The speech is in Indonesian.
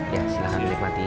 ya silahkan nikmati